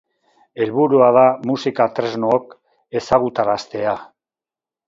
Helburua da musika tresnaok ezagutaraztea.